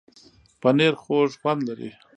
پنېر خوږ خوند لري.